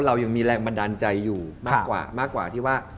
เรายังมีแรงบันดาลใจอยู่มากกว่ามากกว่าที่ว่า